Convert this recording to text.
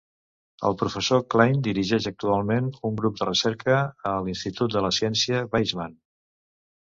El professor Klein dirigeix actualment un grup de recerca a l'Institut de la Ciència Weizmann.